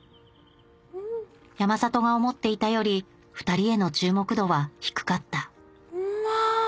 山里が思っていたより２人への注目度は低かったうま。